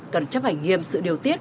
cần chấp hành nghiêm sự điều tiết